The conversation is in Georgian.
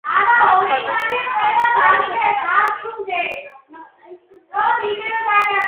აფხაზეთის სამთავროს ეკონომიკურ ცხოვრებაში წამყვანი ადგილი ეკავა სოფლის მეურნეობას.